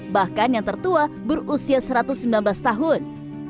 bahkan yang tertua berusia satu ratus sembilan belas tahun